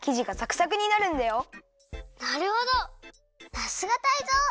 さすがタイゾウ！